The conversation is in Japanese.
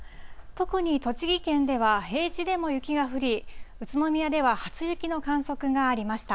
特に栃木県では平地でも雪が降り、宇都宮では初雪の観測がありました。